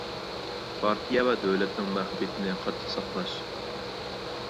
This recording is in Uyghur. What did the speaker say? پارتىيە ۋە دۆلەتنىڭ مەخپىيىتىنى قاتتىق ساقلاش.